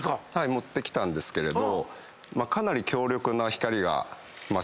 持ってきたんですけれど。